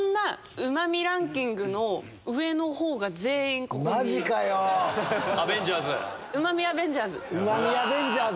うま味アベンジャーズ。